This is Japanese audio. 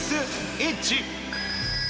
イッチ。